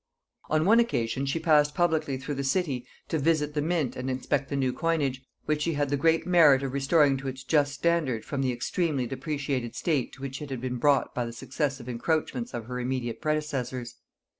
On one occasion she passed publicly through the city to visit the mint and inspect the new coinage, which she had the great merit of restoring to its just standard from the extremely depreciated state to which it had been brought by the successive encroachments of her immediate predecessors.